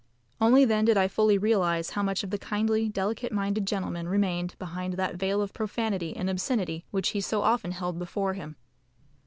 Only then did I fully realise how much of the kindly, delicate minded gentleman remained behind that veil of profanity and obscenity which he so often held before him.